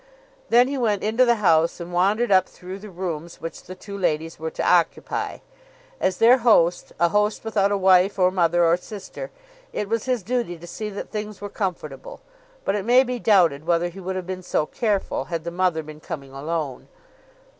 Then he went into the house and wandered up through the rooms which the two ladies were to occupy. As their host, a host without a wife or mother or sister, it was his duty to see that things were comfortable, but it may be doubted whether he would have been so careful had the mother been coming alone.